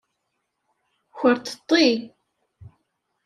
Kkerṭeṭṭi.